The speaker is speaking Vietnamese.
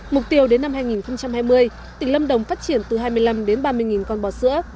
mục tiêu đến năm hai nghìn hai mươi tỉnh lâm đồng phát triển từ hai mươi năm đến ba mươi con bò sữa